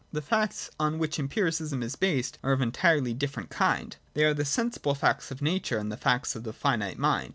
— The facts on which Empiri cism is based are of entirely different kind. They are the sensible facts of nature and the facts of the finite mind.